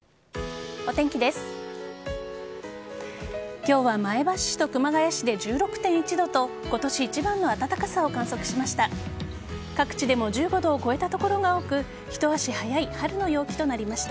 今日は前橋市と熊谷市で１６．１度と今年一番の暖かさを観測しました。